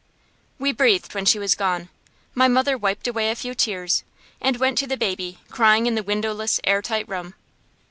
We breathed when she was gone. My mother wiped away a few tears, and went to the baby, crying in the windowless, air tight room.